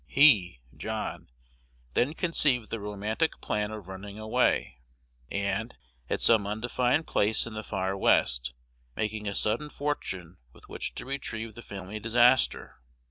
He (John) then conceived the romantic plan of running away, and, at some undefined place in the far West, making a sudden fortune with which to retrieve the family disaster.